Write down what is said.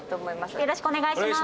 よろしくお願いします。